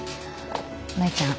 舞ちゃん。